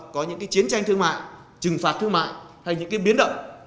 có những cái chiến tranh thương mại trừng phạt thương mại hay những cái biến động